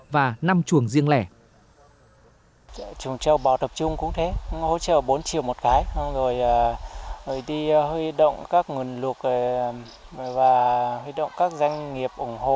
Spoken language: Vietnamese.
và năm chuồng riêng lẻ